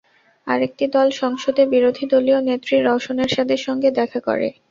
আরেকটি দল সংসদে বিরোধীদলীয় নেত্রী রওশন এরশাদের সঙ্গে দেখা করে।